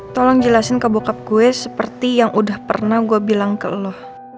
tolong jelasin ke bokap gue seperti yang udah pernah gue bilang ke allah